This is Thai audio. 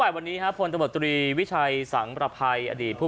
บ่ายวันนี้ครับพลตบตรีวิชัยสังประภัยอดีตผู้